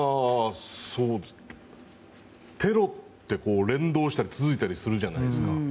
テロって連動したり続いたりするじゃないですか。